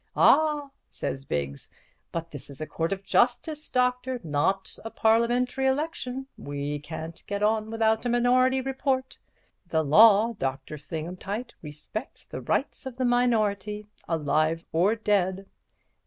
'Ah!' says Biggs, 'but this is a Court of Justice, Doctor, not a Parliamentary election. We can't get on without a minority report. The law, Dr. Thingumtight, respects the rights of the minority, alive or dead.'